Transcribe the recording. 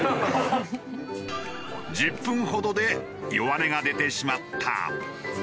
１０分ほどで弱音が出てしまった。